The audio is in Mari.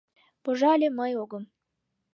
Пожале, мый огым.